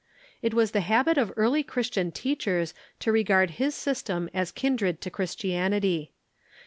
It was the habit of early Christian teachers to regard his system as kindred to Christianity.